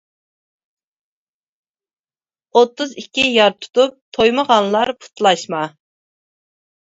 ئوتتۇز ئىككى يار تۇتۇپ، تويمىغانلار پۇتلاشما.